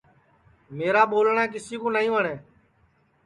میرا ٻولٹؔا کِسی کُو نائی وٹؔے